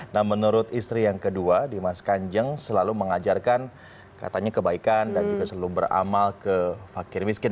nah menurut istri yang kedua dimas kanjeng selalu mengajarkan katanya kebaikan dan juga selalu beramal ke fakir miskin